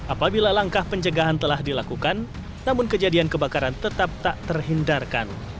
apabila langkah pencegahan telah dilakukan namun kejadian kebakaran tetap tak terhindarkan